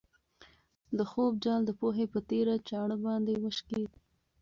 د خوب جال د پوهې په تېره چاړه باندې وشکېد.